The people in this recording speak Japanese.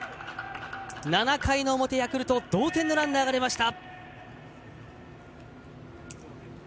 ７回の表、ヤクルトに同点のランナーが出ました。